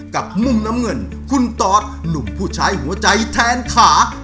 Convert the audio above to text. กับมุมน้ำเงินคุณตอสหนุ่มผู้ใช้หัวใจแทนขา